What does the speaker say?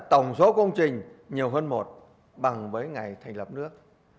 tổng số công trình nhiều hơn một bằng với ngày thành lập nước